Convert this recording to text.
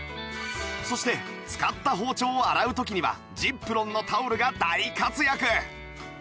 そして使った包丁を洗う時には ｚｉｐｒｏｎ のタオルが大活躍！